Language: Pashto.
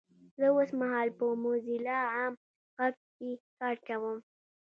زه اوسمهال په موځیلا عام غږ کې کار کوم 😊!